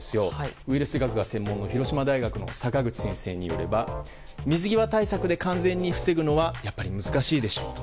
ウイルス学が専門の広島大学の坂口先生によれば水際対策で完全に防ぐのは難しいでしょうと。